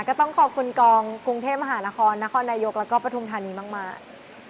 ก็ต้องขอบคุณกองกรุงเทพมหานครนครนายกแล้วก็ปฐุมธานีมาก